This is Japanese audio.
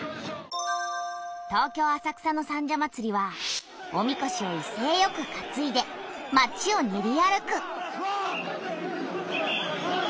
東京・浅草の三社祭はおみこしをいせいよくかついで町を練り歩く。